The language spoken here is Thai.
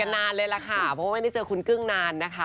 นานเลยล่ะค่ะเพราะว่าไม่ได้เจอคุณกึ้งนานนะคะ